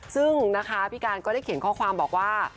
ซึ่งนะคะพี่การก็ได้เขียนข้อความบอกว่า